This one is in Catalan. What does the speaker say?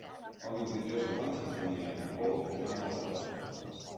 El vint-i-tres de maig en Damià i en Pol iran a la platja.